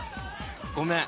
ごめん。